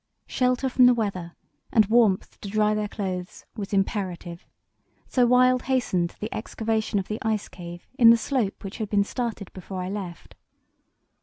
Shelter from the weather and warmth to dry their clothes was imperative, so Wild hastened the excavation of the ice cave in the slope which had been started before I left.